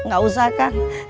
gak usah kang